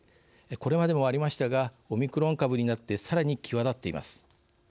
これまでもありましたがこれがオミクロン株になってさらに際立っています。